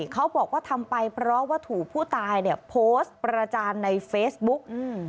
เขาบอกว่าทำไปเพราะว่าถูกฆาตกรรมโพสต์ประจานในเฟซบุ๊ก